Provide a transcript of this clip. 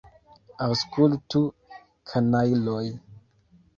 Aŭskultu, kanajloj!